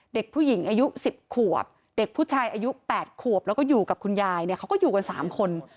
เด็กผู้หญิงอายุ๑๐ขวบเด็กผู้ชายอายุ๘ขวบแล้วก็อยู่กับคุณยายเนี่ยเขาก็อยู่กัน๓คน